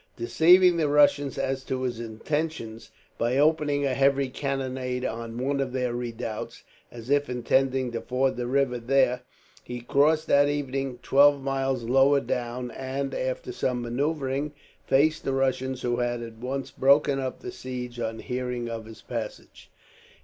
Deceiving the Russians as to his intentions by opening a heavy cannonade on one of their redoubts, as if intending to ford the river there, he crossed that evening twelve miles lower down and, after some manoeuvring, faced the Russians, who had at once broken up the siege on hearing of his passage.